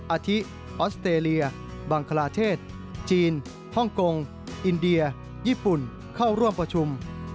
อาทิออสเตรเลียบังคลาเทศจีนฮ่องกงอินเดียญี่ปุ่นเข้าร่วมประชุม